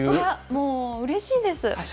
もううれしいです。